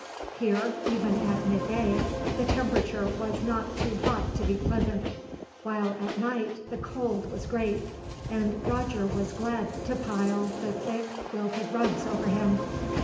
Here, even at midday, the temperature was not too hot to be pleasant; while at night the cold was great, and Roger was glad to pile the thick quilted rugs over him.